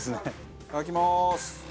いただきます！